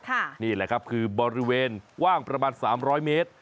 ค่ะนี่แหละครับคือบริเวณว่างประมาณสามร้อยเมตร